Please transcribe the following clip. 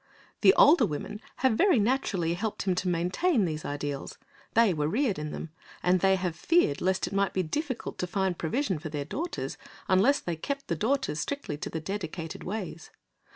The older women have very naturally helped him to maintain these ideals; they were reared in them, and they have feared lest it might be difficult to find provision for their daughters, unless they kept the daughters strictly to the dedicated ways.